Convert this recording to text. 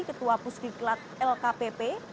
ketua pusgiklat lkpp